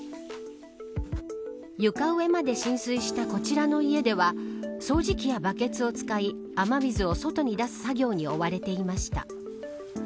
床上まで浸水したこちらの家では掃除機やバケツを使い雨水を外に出す作業に追われていました。